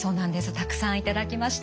たくさん頂きました。